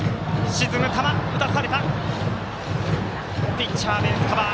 ピッチャー、ベースカバー。